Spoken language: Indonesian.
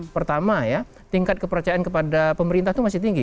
pertama ya tingkat kepercayaan kepada pemerintah itu masih tinggi